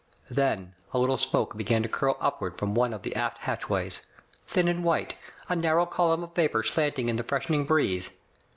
Then a little smoke began to curl upward from one of the aft hatchways. Thin and white, a narrow column of vapor slanting in the freshen ing breeze.